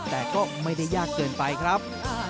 แต่ก็ไม่ได้ยากเกินไปครับ